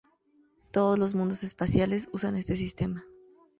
Todos los mundos espaciales usan este sistema.